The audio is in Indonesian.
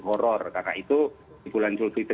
horror karena itu di bulan juli